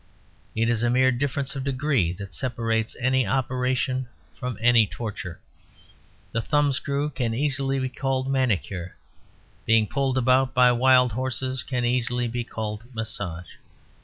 It is a mere difference of degree that separates any operation from any torture. The thumb screw can easily be called Manicure. Being pulled about by wild horses can easily be called Massage.